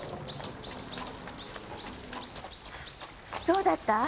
どうだった？